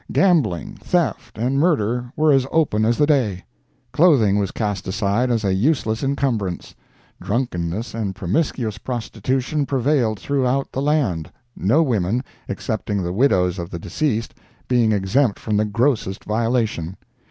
Gambling, theft and murder were as open as the day; clothing was cast aside as a useless incumbrance; drunkenness and promiscuous prostitution prevailed through out the land, no women, excepting the widows of the deceased, being exempt from the grossest violation.